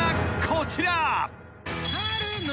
［こちら］